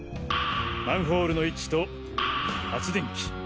マンホールの位置と発電機。